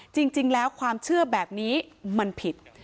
จริงแล้วความเชื่อแบบนี้มันผิด